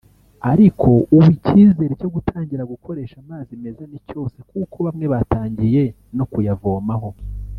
ariko ubu icyizere cyo gutangira gukoresha amazi meza ni cyose kuko bamwe batangiye no kuyavomaho